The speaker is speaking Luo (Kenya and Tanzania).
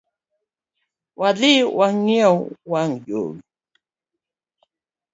Wadhi wanyiew wang jowi